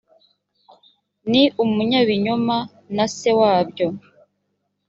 ni umunyabinyoma na se wabyo